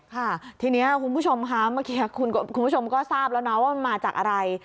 ค่ะทีนี้คุณผู้ชมค่ะเมื่อกี้คุณผู้ชมก็ทราบแล้วนะว่ามันมาจากอะไร